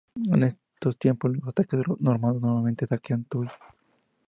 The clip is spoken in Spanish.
En estos tiempos los ataques normandos nuevamente saquean Tuy.